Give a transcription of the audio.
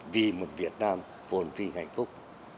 vì một việt nam vồn vinh hạnh phúc